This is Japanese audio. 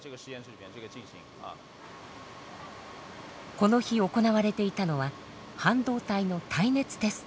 この日行われていたのは半導体の耐熱テスト。